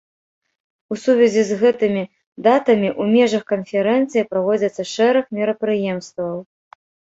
У сувязі з гэтымі датамі ў межах канферэнцыі праводзіцца шэраг мерапрыемстваў.